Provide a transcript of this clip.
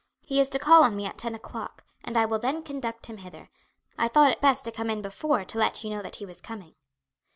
He is to call on me at ten o'clock, and I will then conduct him hither. I thought it best to come in before to let you know that he was coming."